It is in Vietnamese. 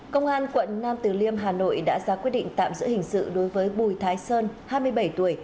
công an quận nam từ liêm hà nội đã ra quyết định tạm giữ hình sự đối với bùi thái sơn hai mươi bảy tuổi